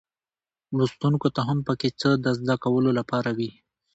لوستونکو ته هم پکې څه د زده کولو لپاره وي.